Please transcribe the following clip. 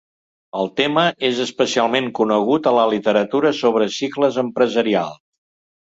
El tema és especialment conegut a la literatura sobre cicles empresarials.